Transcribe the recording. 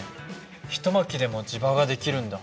一巻きでも磁場が出来るんだ。